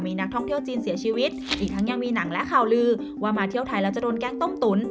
มีนักท่องเที่ยวจีนเสียชีวิตอีกทั้งยังมีหนังและข่าวลือว่ามาเที่ยวไทยแล้วจะโดนแกล้งต้มตุ๋น